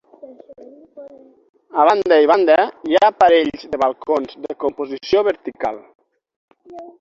A banda i banda, hi ha parells de balcons de composició vertical.